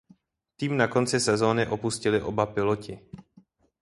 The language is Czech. Tým na konci sezóny opustili oba piloti.